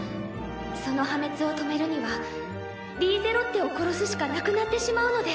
その破滅を止めるにはリーゼロッテを殺すしかなくなってしまうのです。